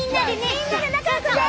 みんなで仲よくね！